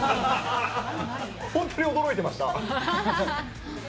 本当に驚いてました？